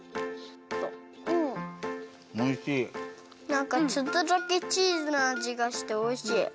なんかちょっとだけチーズのあじがしておいしい。